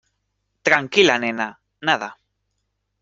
tranquila, nena. nada .